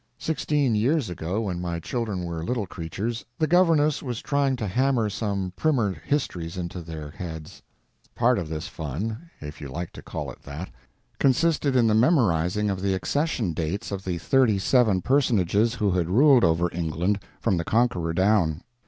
Sixteen years ago when my children were little creatures the governess was trying to hammer some primer histories into their heads. Part of this fun if you like to call it that consisted in the memorizing of the accession dates of the thirty seven personages who had ruled over England from the Conqueror down.